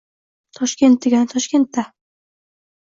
— Toshkent degani — Toshkentda!